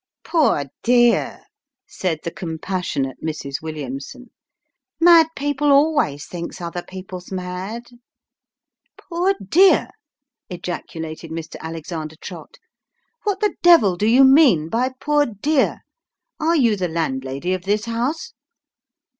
" Poor dear !" said the compassionate Mrs. Williamson, " mad people always thinks other people's mad." " Poor dear !" ejaculated Mr. Alexander Trott. " What the devil do you mean by poor dear ? Are you the landlady of this house